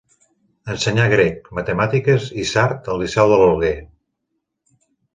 Ensenyà grec, matemàtiques i sard al liceu de l'Alguer.